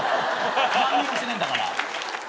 何にもしてねえんだから。